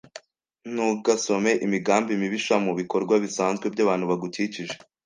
Ntugasome imigambi mibisha mubikorwa bisanzwe byabantu bagukikije.